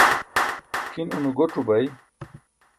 kʰin une goc̣o bai